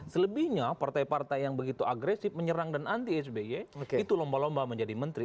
selebihnya partai partai yang begitu agresif menyerang dan anti sby itu lomba lomba menjadi menteri